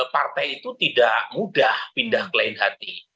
partai itu tidak mudah pindah ke lain hati